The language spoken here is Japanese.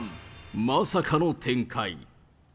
まさかの展開。